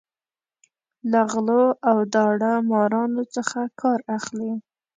له غلو او داړه مارانو څخه کار اخلي.